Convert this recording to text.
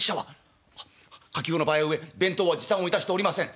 「火急の場合ゆえ弁当は持参をいたしておりません」。